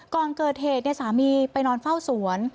ก่อนเกิดเหตุสามีไปนอนเฝ้าสวน